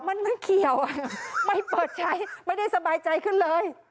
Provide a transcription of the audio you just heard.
มันไม่เกี่ยวไม่เปิดใช้ไม่ได้สบายใจขึ้นเลย